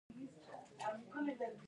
خاکساري کول ښه دي